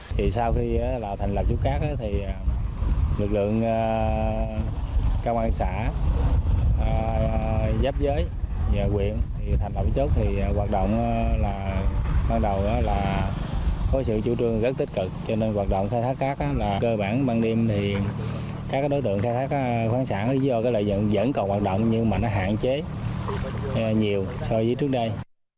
thì sau khi là thành lập chút cát thì lực lượng các quân xã giáp giới và quyền thành lập chút thì hoạt động là ban đầu là có sự chủ trương rất tích cực cho nên hoạt động khai thác cát là cơ bản ban đêm thì các đối tượng khai thác khoáng sản chỉ do lợi dụng vẫn còn hoạt động nhưng mà nó hạn chế nhiều so với trước đây